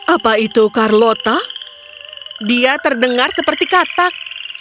apa itu carlota dia terdengar seperti katak